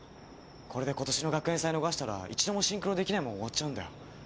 これで今年の学園祭逃したら一度もシンクロできないまま終わっちゃうんだよ。